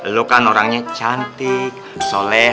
lu kan orangnya cantik soleha